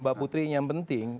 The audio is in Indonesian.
mbak putri yang penting